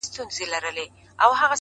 زلفـي را تاوي کړي پــر خپلـو اوږو،